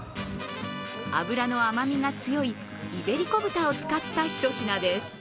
脂の甘みが強いイベリコ豚を使ったひと品です。